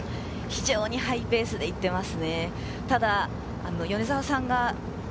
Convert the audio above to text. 非常にハイペースで行ってます。